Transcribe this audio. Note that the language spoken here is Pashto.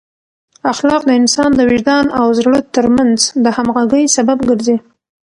اخلاق د انسان د وجدان او زړه ترمنځ د همغږۍ سبب ګرځي.